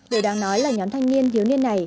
điều đáng nói là nhóm thanh niên thiếu niên này